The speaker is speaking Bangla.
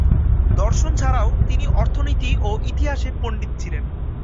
দর্শন ছাড়াও তিনি অর্থনীতি ও ইতিহাসে পণ্ডিত ছিলেন।